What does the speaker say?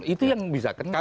itu yang bisa kena